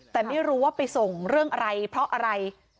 แต่ไม่รู้ว่าไปส่งเรื่องอะไรเพราะอะไร